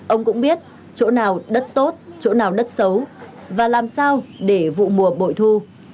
ông cũng biết chỗ nào đất tốt chỗ nào đất xấu và làm sao để vụ mùa bội thu